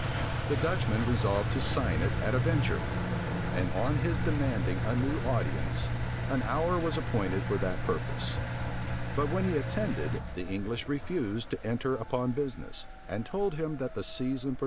The Dutchman resolved to sign it at a venture; and on his demanding a new audience, an hour was appointed for that purpose: but when he attended, the English refused to enter upon business, and told him that the season for negotiating was now past.